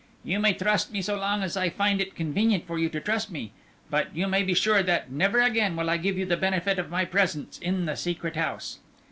"You may trust me just so long as I find it convenient for you to trust me, but you may be sure that never again will I give you the benefit of my presence in the Secret House."